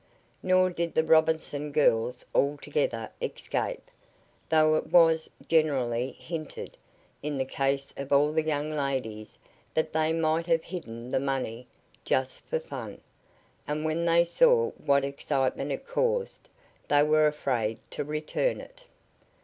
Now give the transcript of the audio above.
Nor did the Robinson girls altogether escape, though it was generally hinted, in the case of all the young ladies, that they might have hidden the money "just for fun," and when they saw what excitement it caused they were afraid to return it.